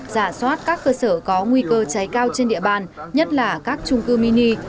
giả soát các cơ sở có nguy cơ cháy cao trên địa bàn nhất là các trung cư mini